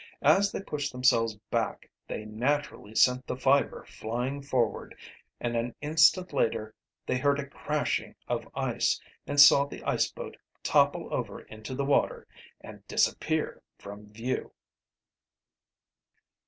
As they pushed themselves back they naturally sent the Fiver flying forward, and an instant later they heard a crashing of ice and saw the ice boat topple over into the water and disappear from view!